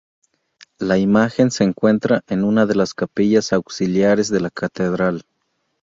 La imagen se encuentra en una de las capillas auxiliares de la Catedral.